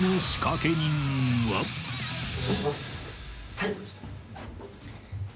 はい。